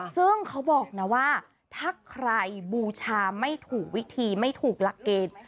ซึ่งเขาบอกนะว่าถ้าใครบูชาไม่ถูกวิธีไม่ถูกหลักเกณฑ์